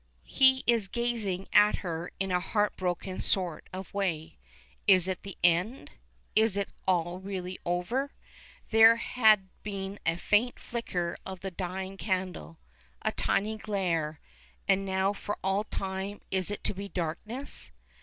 He is gazing at her in a heartbroken sort of way. Is it the end? Is it all really over? There had been a faint flicker of the dying candle a tiny glare and now for all time is it to be darkness?